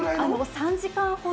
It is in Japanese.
３時間ほど。